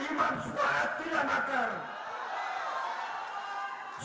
imam suhaid tidak makan